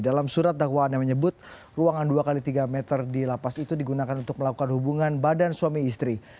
dalam surat dakwaan yang menyebut ruangan dua x tiga meter di lapas itu digunakan untuk melakukan hubungan badan suami istri